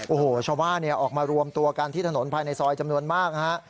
โอ้โหชาวบ้านออกมารวมตัวกันที่ถนนภายในซอยจำนวนมากนะฮะ